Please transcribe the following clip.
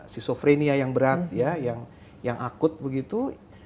schizophrenia yang berat yang akut begitu